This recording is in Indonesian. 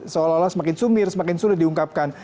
seolah olah semakin sumir semakin sulit diungkapkan